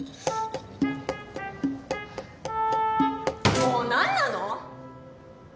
・もう何なの！？